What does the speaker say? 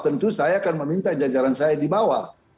tentu saya akan meminta jajaran saya di bawah